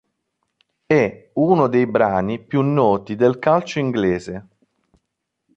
È uno dei brani più noti del calcio inglese.